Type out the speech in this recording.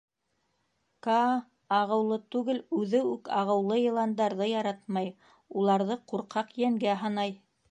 Каа ағыулы түгел, үҙе үк ағыулы йыландарҙы яратмай, уларҙы ҡурҡаҡ йәнгә һанай.